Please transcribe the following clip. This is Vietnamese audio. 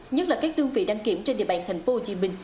nhất là các đơn vị đăng kiểm trên địa bàn thành phố hồ chí minh